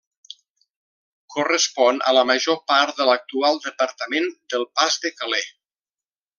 Correspon a la major part de l'actual departament del Pas de Calais.